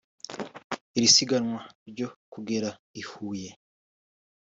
Iri siganwa ryo kugera i Huye